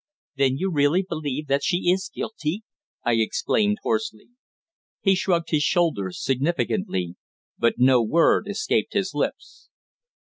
"Then you really believe that she is guilty?" I exclaimed, hoarsely. He shrugged his shoulders significantly, but no word escaped his lips.